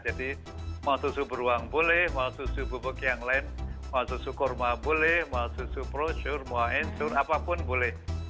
jadi mau susu beruang boleh mau susu bubuk yang lain mau susu kurma boleh mau susu prosur mau ensur apapun boleh